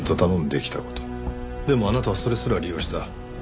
でもあなたはそれすら利用した。